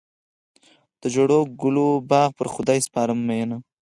د ژړو ګلو باغ پر خدای سپارم مینه.